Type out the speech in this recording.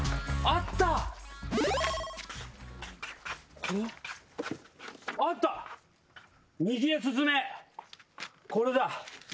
あった「右へ進め」これだ。